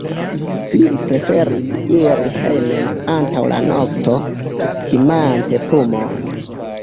Ili preferis iri hejmen antaŭ la nokto, timante pumon.